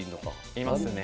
いますね。